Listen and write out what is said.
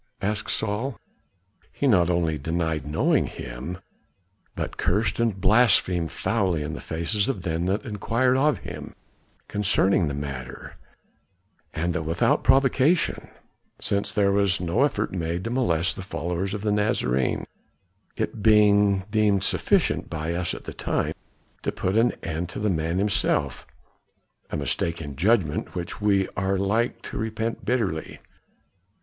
asked Saul. "He not only denied knowing him, but cursed and blasphemed foully in the faces of them that inquired of him concerning the matter, and that without provocation, since there was no effort made to molest the followers of the Nazarene, it being deemed sufficient by us at the time to put an end to the man himself a mistake in judgment which we are like to repent bitterly."